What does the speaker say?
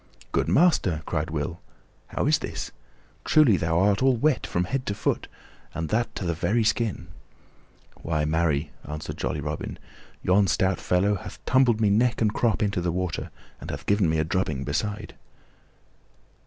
"Good master," cried Will, "how is this? Truly thou art all wet from head to foot, and that to the very skin." "Why, marry," answered jolly Robin, "yon stout fellow hath tumbled me neck and crop into the water and hath given me a drubbing beside."